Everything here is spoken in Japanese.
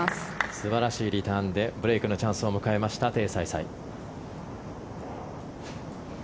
素晴らしいリターンでブレークのチャンスを迎えましたテイ・サイサイ。